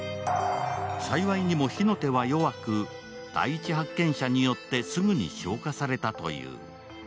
幸いにも火の手は弱く、第一発見者によってすぐに消火されたという。